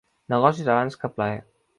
Negocis abans que plaer.